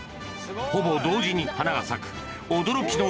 ［ほぼ同時に花が咲く驚きの秘密とは？］